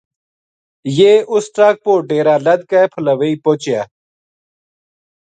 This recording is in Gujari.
یہ اس ٹرک پو ڈیرا لد کے پھلا وائی پوہچیا